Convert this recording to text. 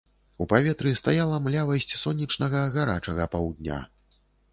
У паветры стаяла млявасць сонечнага гарачага паўдня.